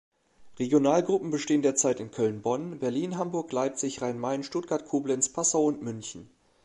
Regionalgruppen bestehen derzeit in Köln-Bonn, Berlin, Hamburg, Leipzig, Rhein-Main, Stuttgart, Koblenz, Passau und München.